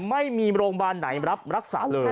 ไม่มีโรงพยาบาลไหนรับรักษาเลย